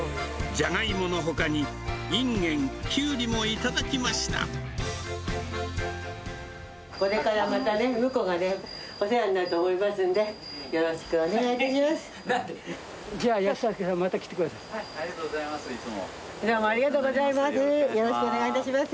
ジャガイモのほかに、インゲこれからまたね、むこがね、お世話になると思いますんで、よろしくお願いいたします。